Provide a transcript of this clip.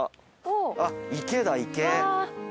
あっ池だ池。